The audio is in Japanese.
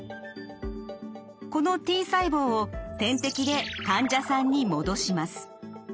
このＴ細胞を点滴で患者さんに戻します。